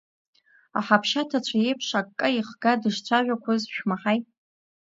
Аҳаԥшьа ҭацәы еиԥш, акка ихга дышцәажәақәоз шәмаҳаи…